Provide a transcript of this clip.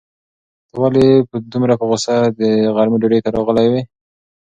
ته ولې دومره په غوسه د غرمې ډوډۍ ته راغلی وې؟